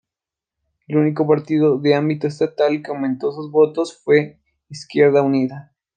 El único partido de ámbito estatal que aumentó sus votos fue Izquierda Unida.